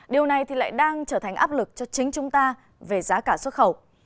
điều này thì lại đang trở thành áp lực cho chính chúng ta về giá cả xuất khẩu